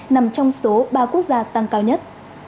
nằm trong số ba quốc gia tăng cao nhất